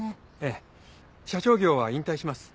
ええ社長業は引退します。